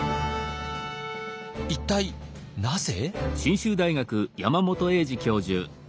一体なぜ？